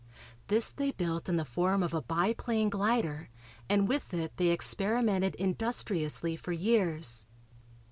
This they built in the form of a biplane glider and with it they experimented industriously for years.